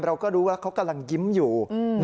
เราก็รู้แล้วเขากำลังยิ้มอยู่